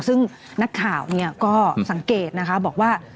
ซึ่งนักข่าวก็สังเกตนะคะบอกว่า